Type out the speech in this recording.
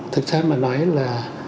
thực ra mà nói là